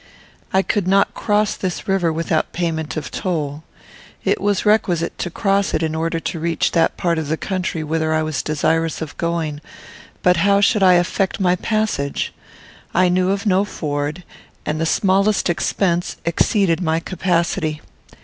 I could not cross this river without payment of toll. It was requisite to cross it in order to reach that part of the country whither I was desirous of going; but how should I effect my passage? I knew of no ford, and the smallest expense exceeded my capacity.